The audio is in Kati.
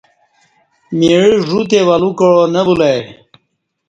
مِعہ ژ وتے ولو کاع نہ بُلہ ای